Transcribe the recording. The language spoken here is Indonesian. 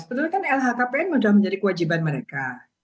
sebetulnya kan lhkpn sudah menjadi kewajiban mereka